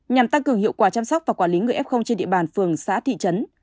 nhằm tăng cường hiệu quả chăm sóc và quản lý người f trên địa bàn phường xã thị trấn